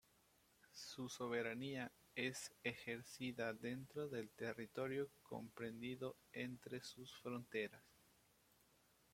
Su soberanía es ejercida dentro del territorio comprendido entre sus fronteras.